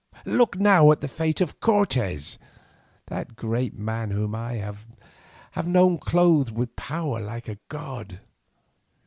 Look now at the fate of Cortes—that great man whom I have known clothed with power like a god.